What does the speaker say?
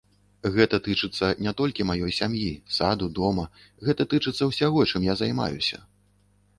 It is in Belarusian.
Гэта тычыцца не толькі маёй сям'і, саду, дома, гэта тычыцца ўсяго, чым я займаюся.